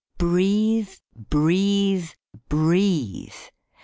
[Breathe, breathe, breathe